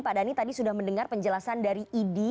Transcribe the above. pak dhani tadi sudah mendengar penjelasan dari idi